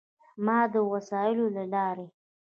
مادي وسایلو له لارې.